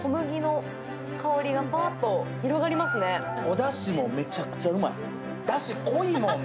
だしも、めちゃくちゃ濃い。